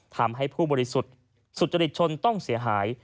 ทำให้ผู้บริสุทธิ์สุจริตชนต้องเสียหาย